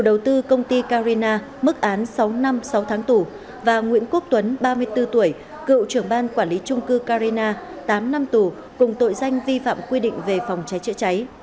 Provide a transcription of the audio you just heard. là ba mươi bốn tuổi cựu trưởng ban quản lý trung cư carina tám năm tù cùng tội danh vi phạm quy định về phòng cháy chữa cháy